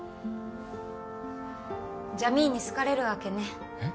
ジャミーンに好かれるわけねえっ？